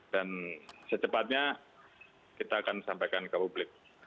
dan secepatnya kita akan sampaikan ke publik